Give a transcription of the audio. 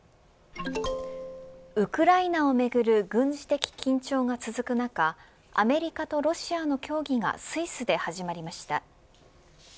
ウクライナをめぐる軍事的緊張が続く中アメリカとロシアの協議がスイスで始まりました。